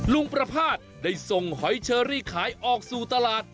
ลุงประภาษณ์ได้ส่งหอยเชอรี่ขายออกสู่ตลาด